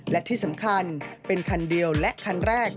และที่สำคัญเป็นคันเดียวและคันแรก